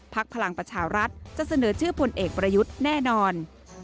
พลังประชารัฐจะเสนอชื่อพลเอกประยุทธ์แน่นอน